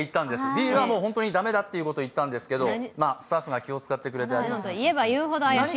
ビールは本当に駄目だっていうことを言ったんですけどスタッフが気を使ってくれて、ありがとうございます。